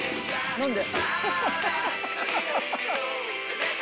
何で？